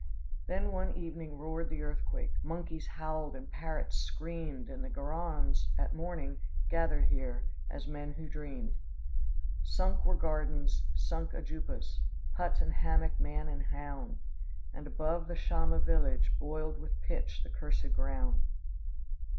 Then one evening roared the earthquake, Monkeys howled, and parrots screamed, And the Guaraons, at morning Gathered here, as men who dreamed. Sunk were gardens, sunk ajoupas, Hut and hammock, man and hound, And above the Chayma village, Boiled with pitch the cursed ground."